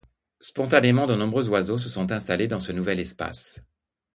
Spontanément de nombreux oiseaux se sont installés dans ce nouvel espace.